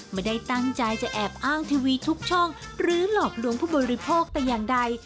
ไม่ได้ตั้งใจจะแอบอ้างทีวีทุกช่องหรือหลอกลวงผู้บริโภคแต่อย่างใด